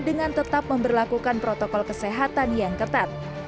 dengan tetap memperlakukan protokol kesehatan yang ketat